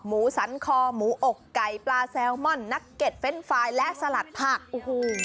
สันคอหมูอกไก่ปลาแซลมอนนักเก็ตเฟรนด์ไฟล์และสลัดผักโอ้โห